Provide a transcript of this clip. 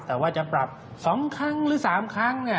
แต่ว่าจะปรับ๒ครั้งหรือ๓ครั้ง